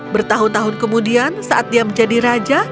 bertahun tahun kemudian saat dia menjadi raja